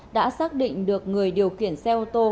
đã xác định được người điều khiển xe ô tô